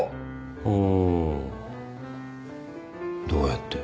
ほうどうやって？